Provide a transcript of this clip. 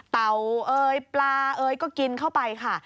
เต่าเอ่ยปลาเอ๋ยก็กินเข้าไปค่ะ